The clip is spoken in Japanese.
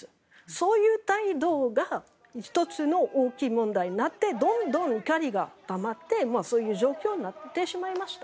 そういう態度が１つの大きい問題になってどんどん怒りがたまってそういう状況になってしまいました。